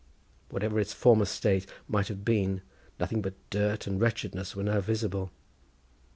Whatever its former state might have been, nothing but dirt and wretchedness were now visible.